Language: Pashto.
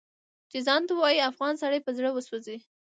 چې ځان ته ووايي افغان سړی په زړه وسوځي